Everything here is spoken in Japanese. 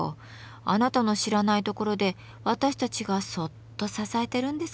あなたの知らないところで私たちがそっと支えてるんですから。